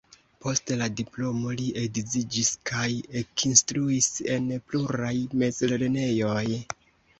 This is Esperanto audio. Post la diplomo li edziĝis kaj ekinstruis en pluraj mezlernejoj.